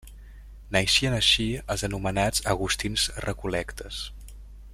Naixien així els anomenats agustins recol·lectes.